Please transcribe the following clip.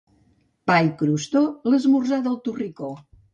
Pa i crostó, l'esmorzar del Torricó.